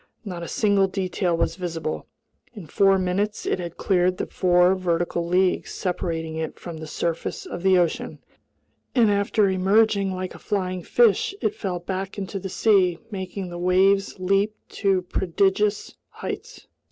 Not a single detail was visible. In four minutes it had cleared the four vertical leagues separating it from the surface of the ocean, and after emerging like a flying fish, it fell back into the sea, making the waves leap to prodigious heights.